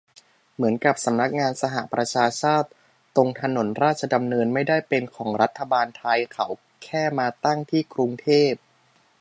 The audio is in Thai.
เหมือนกับสำนักงานสหประชาชาติ ตรงถนนราชดำเนิน ไม่ได้เป็นของรัฐบาลไทย เขาแค่มาตั้งที่กรุงเทพ